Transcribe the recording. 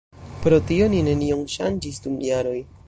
Pro tio ni nenion ŝanĝis dum jaroj.